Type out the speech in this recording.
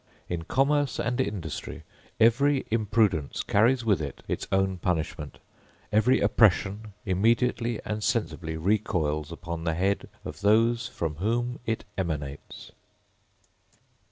In commerce and industry every imprudence carries with it its own punishment; every oppression immediately and sensibly recoils upon the head of those from whom it emanates.